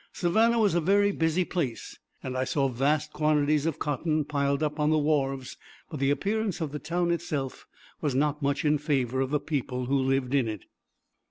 Savannah was a very busy place, and I saw vast quantities of cotton piled up on the wharves, but the appearance of the town itself was not much in favor of the people who lived in it.